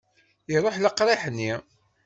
Iruḥ leqriḥ-nni.